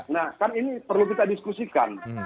nah kan ini perlu kita diskusikan